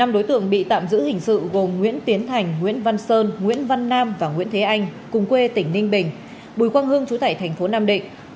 năm đối tượng bị tạm giữ hình sự gồm nguyễn tiến thành nguyễn văn sơn nguyễn văn nam và nguyễn thế anh cùng quê tỉnh ninh bình bùi quang hương trú tại tp nam định